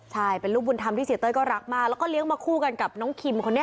ใช่เป็นลูกบุญธรรมที่เสียเต้ยก็รักมากแล้วก็เลี้ยงมาคู่กันกับน้องคิมคนนี้